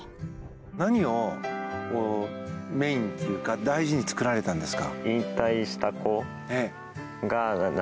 何をメインというか大事に作られたんですか。